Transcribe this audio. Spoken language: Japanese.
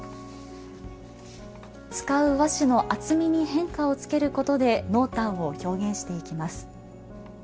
使う和紙の厚みに変化をつけることで濃淡を表現していきます。